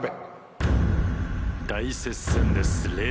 大接戦です。